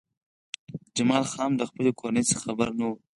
جمال خان هم له خپلې کورنۍ څخه خبر نه و